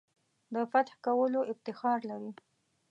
د فتح کولو افتخار لري.